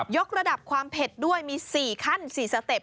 กระดับความเผ็ดด้วยมี๔ขั้น๔สเต็ป